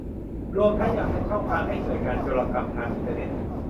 รวมทั้งยังเป็นช่องทางให้เกิดการโจรกรรมทางอินเทอร์เน็ต